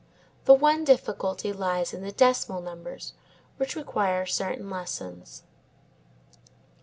The one difficulty lies in the decimal numbers which require certain lessons.